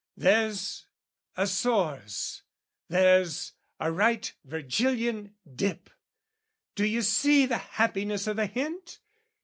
"There's a sors, there's a right Virgilian dip! "Do you see the happiness o' the hint?